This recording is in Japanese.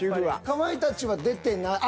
かまいたちは出てない。